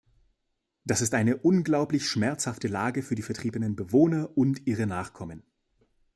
Das ist eine unglaubliche schmerzhafte Lage für die vertriebenen Bewohner und ihre Nachkommen.